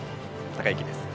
貴之です。